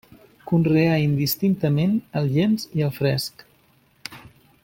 Conreà indistintament el llenç i el fresc.